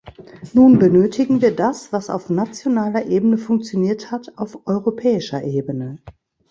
Nun benötigen wir das, was auf nationaler Ebene funktioniert hat, auf europäischer Ebene.